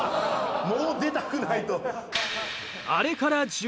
もう出たくないと。